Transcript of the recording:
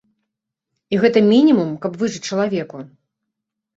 І гэта мінімум, каб выжыць чалавеку.